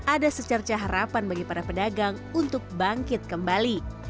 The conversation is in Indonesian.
ada secerca harapan bagi para pedagang untuk bangkit kembali